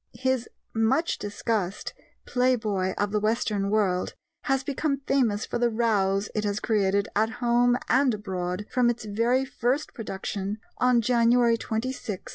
His much discussed Playboy of the Western World has become famous for the rows it has created at home and abroad from its very first production on January 26, 1907.